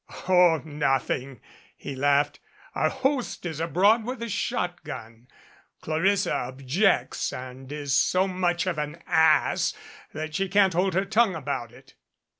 "Oh, nothing," he laughed. "Our host is abroad with a shotgun. Clarissa objects, and is so much of an ass that she can't hold her tongue about it."